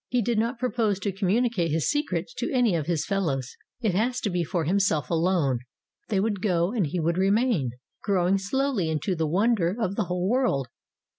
He did not propose to communicate his secret to any of his fellows. It was to be for himself alone. They would go and he would remain, growing slowly into the wonder of the whole world.